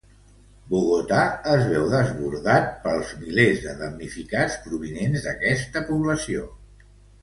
Bogotà es veu desbordat pels milers de damnificats provinents d'aquesta població.